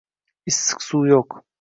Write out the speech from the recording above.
Issiq suv yo'q.